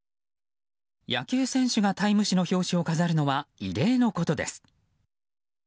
野球選手がタイム誌の表紙を飾るのは異例のことです。